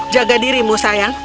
jaga dirimu sayang